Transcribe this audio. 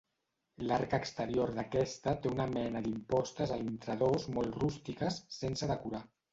L'arc exterior d'aquesta té una mena d'impostes a l'intradós molt rústiques, sense decorar.